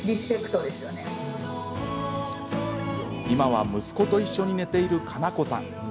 今は息子と一緒に寝ているカナコさん。